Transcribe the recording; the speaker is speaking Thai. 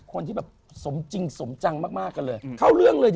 คนที่แบบสมจริงสมจังมากกันเลย